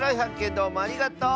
どうもありがとう！